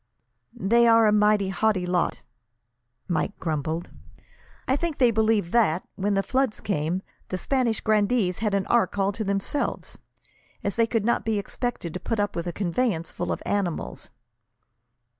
"They are a mighty haughty lot," Mike grumbled. "I believe they think that, when the flood came, the Spanish grandees had an ark all to themselves, as they could not be expected to put up with a conveyance full of animals."